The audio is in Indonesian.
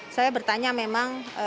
saya bertanya memang